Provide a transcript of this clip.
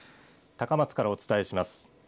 高松からお伝えします。